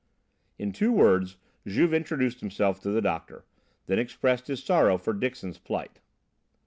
In two words Juve introduced himself to the doctor; then expressed his sorrow for Dixon's plight.